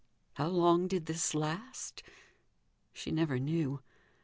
How long did this last? She never knew.